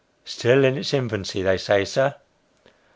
" Still in its infancy, they say, sir."